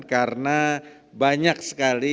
karena banyak sekali